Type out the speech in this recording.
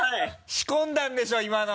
仕込んだんでしょ今の！